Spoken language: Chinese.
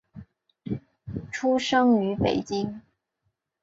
出生于北京。